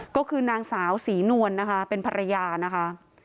ก็คือนางสาวศรีนวลนะคะเป็นภรรยานะคะ